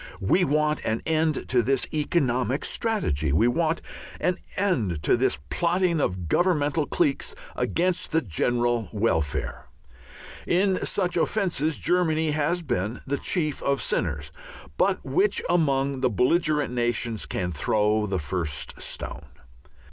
We want an end to this economic strategy, we want an end to this plotting of Governmental cliques against the general welfare. In such offences Germany has been the chief of sinners, but which among the belligerent nations can throw the first stone?